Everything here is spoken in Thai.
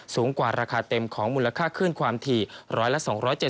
สูงกว่าราคาเต็มของมูลค่าคลื่นความถี่ร้อยละ๒๗๐